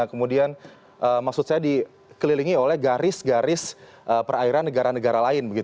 kemudian maksud saya dikelilingi oleh garis garis perairan negara negara lain